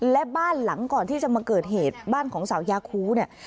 และบ้านหลังก่อนที่จะมาเกิดเหตุบ้านของสาวยาคูเนี่ย